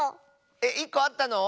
えっ１こあったの？